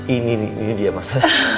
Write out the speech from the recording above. ini dia mas